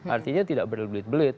artinya tidak berbelit belit